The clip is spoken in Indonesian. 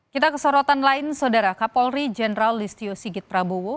kita kesorotan lain saudara kapolri general listio sigit prabowo